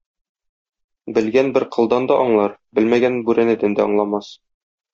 Белгән бер кылдан да аңлар, белмәгән бүрәнәдән дә аңламас.